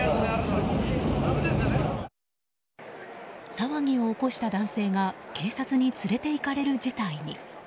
騒ぎを起こした男性が警察に連れていかれる事態に。